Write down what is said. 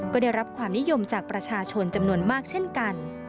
ก็ได้รับความนิยมจากประชาชนจำนวนมากเช่นกัน